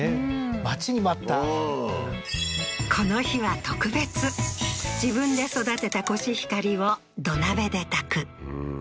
待ちに待ったこの日は特別自分で育てたコシヒカリを土鍋で炊くへえー